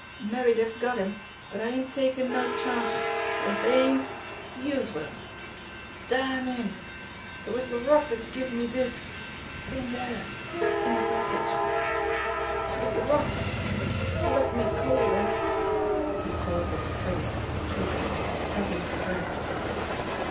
Mabbe dey've got him, but I ain't takin' no chances, for if dey ain't, youse will. Damn him! It was Laroque dat give me dis in dere in de passage. It was Laroque dat plugged me cold, an " He caught at his throat, choking, struggling for breath.